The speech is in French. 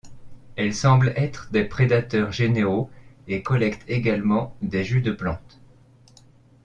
Elle semble être des prédateurs généraux et collecte également des jus de plantes.